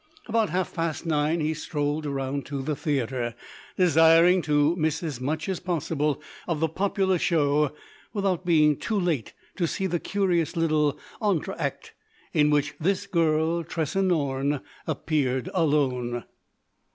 About half past nine he strolled around to the theatre, desiring to miss as much as possible of the popular show without being too late to see the curious little entr' acte in which this girl, Tressa Norne, appeared alone.